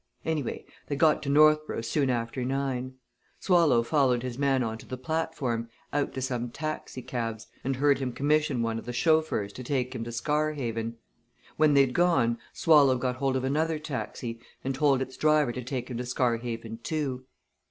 "Anyway, they got to Northborough soon after nine. Swallow followed his man on to the platform, out to some taxi cabs, and heard him commission one of the chauffeurs to take him to Scarhaven. When they'd gone Swallow got hold of another taxi, and told its driver to take him to Scarhaven, too.